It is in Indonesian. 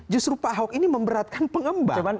justru pak ahok ini memberatkan pengembangan